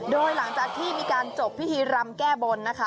โดยหลังจากที่มีการจบพิธีรำแก้บนนะคะ